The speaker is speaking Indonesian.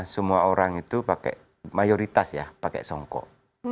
semua orang itu pakai mayoritas ya pakai songkok